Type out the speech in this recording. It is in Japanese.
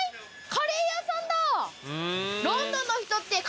カレー屋さんだ！